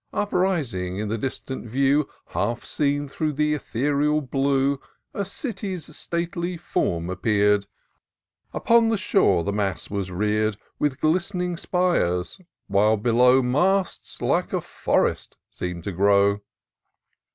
Up rising in the distant view. Half seen through the ethereal blue, A city's stately form appear'd : Upon the shore the mass was rear'd. With glistening spires, while below Masts like a forest seem'd to grow.